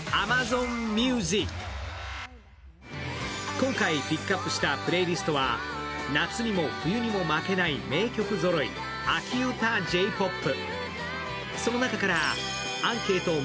今回、ピックアップしたプレイリストは夏にも冬にも負けない名曲ぞろい、「秋うたＪポップ」。